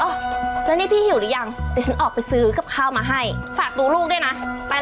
เฮ่ยอยู่ไม่ติดบ้านเหรอเว้ย